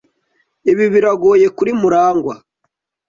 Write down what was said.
Ibi biragoye kuri Murangwa.